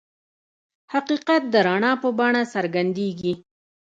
حقیقت د رڼا په بڼه څرګندېږي.